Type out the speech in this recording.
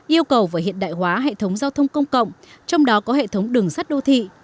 yêu cầu và hiện đại hóa hệ thống giao thông công cộng trong đó có hệ thống đường sắt đô thị